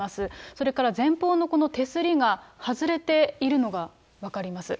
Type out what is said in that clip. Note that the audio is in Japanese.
それから前方のこの手すりが外れているのが分かります。